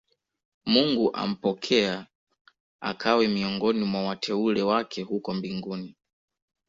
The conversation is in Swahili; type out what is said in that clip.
mungu ampokea akawe miongoni mwa wateule wake huko mbinguni